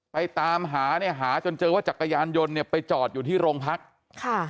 ตามหาเนี่ยหาจนเจอว่าจักรยานยนต์เนี่ยไปจอดอยู่ที่โรงพักค่ะ